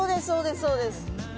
そうですそうです。